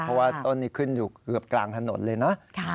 เพราะว่าต้นนี้ขึ้นอยู่เกือบกลางถนนเลยนะ